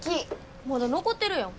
まだ残ってるやん。